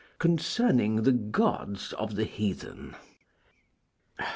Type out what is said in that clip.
(Concerning the Gods of the Heathen.)